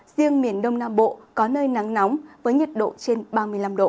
riêng miền đông nam bộ có nơi nắng nóng với nhiệt độ trên ba mươi năm độ